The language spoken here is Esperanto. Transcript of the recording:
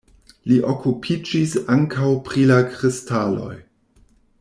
Li okupiĝis ankaŭ pri la kristaloj.